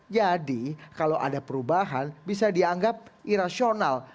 jadi kalau ada perubahan bisa dianggap irasional